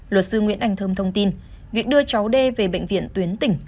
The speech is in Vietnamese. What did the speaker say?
luật sư nguyễn anh thơm thông tin việc đưa cháu đê về bệnh viện tuyến tỉnh